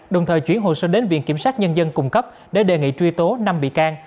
đồng thời chuyển hồ sơ đến viện kiểm sát nhân dân cung cấp để đề nghị truy tố năm bị can